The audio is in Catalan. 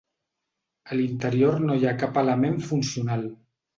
A l'interior no hi ha cap element funcional.